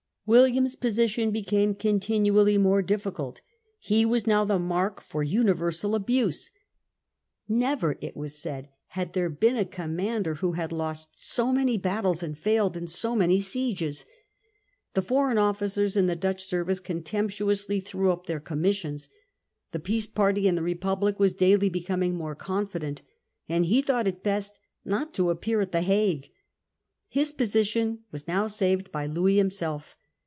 William's position became continually more difficult. He was now the mark for universal abuse. Never, it was The Dutch sa ^>* iac *^ ere been a commander who had desire U lost so many battles and failed in so many peace. sieges. The foreign officers in the Dutch service contemptuously threw up their commissions. The peace party in the Republic was daily becoming more confident, and he thought it best not to appear at the Hague. His position was now saved by Louis him self.